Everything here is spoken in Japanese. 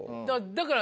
だから。